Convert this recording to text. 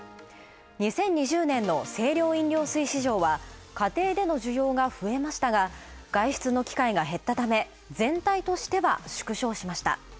２０２０年の清涼飲料水市場は家庭での需要が増えましたが、外出の機会が減ったため全体としては縮小しました。